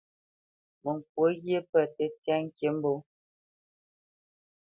Mə kwǒ ghye pə̂ tə́tyá ŋkǐmbǒ.